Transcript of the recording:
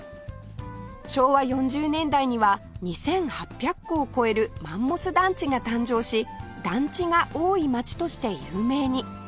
昭和４０年代には２８００戸を超えるマンモス団地が誕生し団地が多い街として有名に